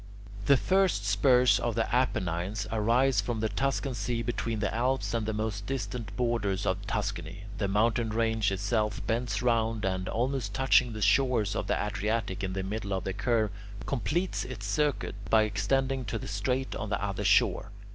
The first spurs of the Apennines arise from the Tuscan sea between the Alps and the most distant borders of Tuscany. The mountain range itself bends round and, almost touching the shores of the Adriatic in the middle of the curve, completes its circuit by extending to the strait on the other shore.